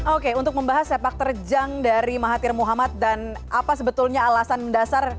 oke untuk membahas sepak terjang dari mahathir muhammad dan apa sebetulnya alasan mendasar